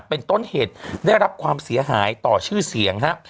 เป็นต้นเหตุได้รับความเสียหายต่อชื่อเสียงครับ